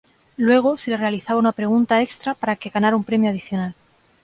Luego se le realizaba una pregunta extra para que ganara un premio adicional.